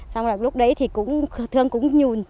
xong rồi lúc đấy thì thương cũng nhùn